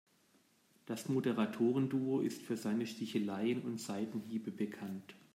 Das Moderatoren-Duo ist für seine Sticheleien und Seitenhiebe bekannt.